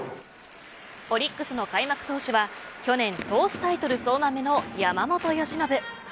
オリックスの開幕投手は去年、投手タイトル総なめの山本由伸。